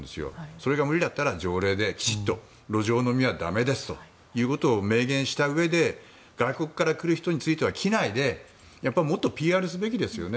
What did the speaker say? それが無理だったら条例できちんと路上飲みは駄目ですということを明言したうえで外国から来る人については機内でもっとＰＲすべきですよね。